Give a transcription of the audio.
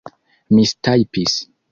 mistajpis